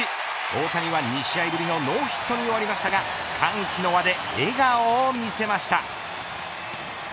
大谷は２試合ぶりのノーヒットで終わりましたが歓喜の輪で笑顔を見せました。